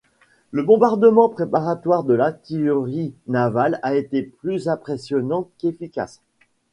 Le bombardement préparatoire de l'artillerie navale a été plus impressionnant qu'efficace.